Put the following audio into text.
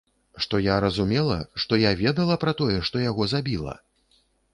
Што я разумела, што я ведала пра тое, што яго забіла?